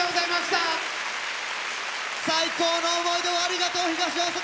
最高の思い出をありがとう東大阪！